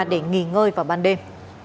để nghỉ ngơi vào ban đêm